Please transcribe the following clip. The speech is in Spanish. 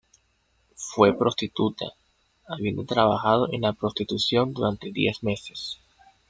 Fue prostituta, habiendo trabajado en la prostitución durante diez meses.